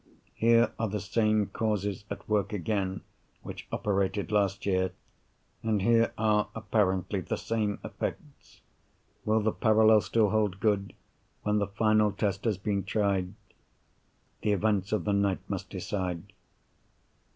Here are the same causes at work again, which operated last year; and here are, apparently, the same effects. Will the parallel still hold good, when the final test has been tried? The events of the night must decide.